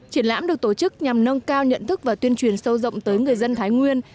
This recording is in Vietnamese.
triển lãm được tổ chức nhằm nâng cao nhận thức và tuyên truyền sâu rộng tới người dân thái nguyên